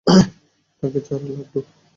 তাকে ছাড়, লাড্ডু!